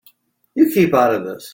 You keep out of this.